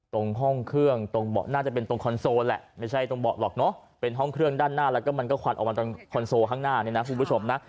ตรงห้องเครื่องตรงเบาะน่าจะเป็นตรงคอนโซลแหละไม่ใช่ตรงเบาะหรอกเนอะเป็นห้องเครื่องด้านหน้าแล้วก็มันก็ควันออกมาตรงคอนโซลข้างหน้าเนี่ยนะคุณผู้ชมนะ